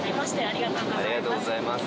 ありがとうございます。